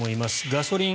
ガソリン